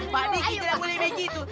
badi kita mulai meji itu